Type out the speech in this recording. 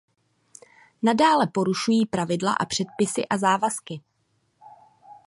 Nadále porušují pravidla a předpisy a závazky.